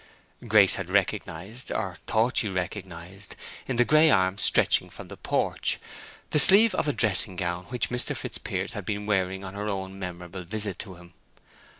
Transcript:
Grace had recognized, or thought she recognized, in the gray arm stretching from the porch, the sleeve of a dressing gown which Mr. Fitzpiers had been wearing on her own memorable visit to him.